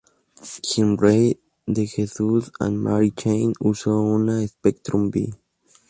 Jim Reid de The Jesus and Mary Chain usó una "Spectrum V".